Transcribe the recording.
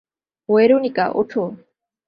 Veronica, ওঠো।